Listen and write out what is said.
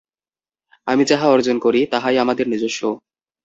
আমরা যাহা অর্জন করি, তাহাই আমাদের নিজস্ব।